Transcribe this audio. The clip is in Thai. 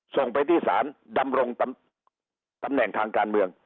ส่งไปที่ศาลดำรงตำแหน่งทางการเมือง